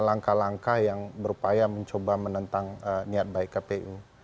langkah langkah yang berupaya mencoba menentang niat baik kpu